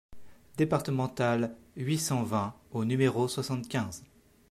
DEPARTEMENTALE huit cent vingt au numéro soixante-quinze